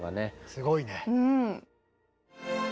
すごいね。